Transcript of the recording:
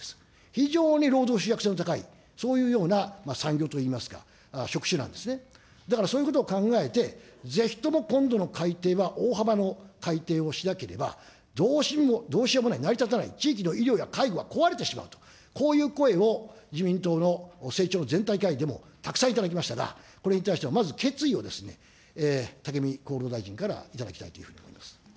非常に労働集約性の高い、産業といいますか、だからそういうことを考えて、ぜひとも今度の改定は、大幅の改定をしなければ、どうしようもない、成り立たない、地域の医療や介護が壊れてしまうと、こういう声を自民党の成長全体会議でもたくさん頂きましたが、これに対しては、まずは決意を武見厚労大臣からいただきたいというふうに思います。